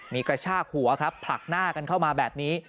มีกระชากหัวครับผลักหน้ากันเข้ามาแบบนี้